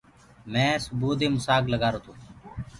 مينٚ سُبئو دي موسآگ لگآرو گو۔